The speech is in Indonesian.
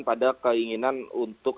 pada keinginan untuk